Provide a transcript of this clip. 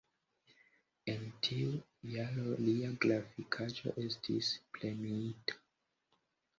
En tiu jaro lia grafikaĵo estis premiita.